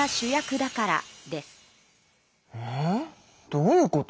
どういうこと？